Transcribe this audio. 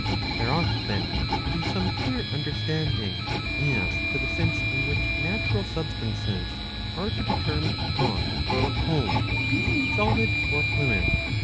There ought then to be some clear understanding as to the sense in which natural substances are to be termed hot or cold, solid or fluid.